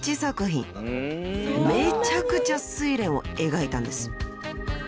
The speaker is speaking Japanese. ［めちゃくちゃ『睡蓮』を描いたんです］